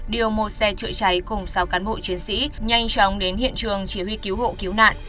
điều một xe chữa cháy cùng sáu cán bộ chiến sĩ nhanh chóng đến hiện trường chỉ huy cứu hộ cứu nạn